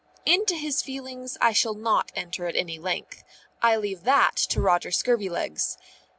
Into his feelings I shall not enter at any length; I leave that to Roger Scurvilegs.